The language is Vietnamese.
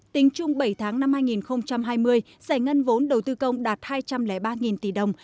tính chung bảy tháng năm hai nghìn hai mươi giải ngân vốn đầu tư công đạt hai trăm linh ba tỷ đồng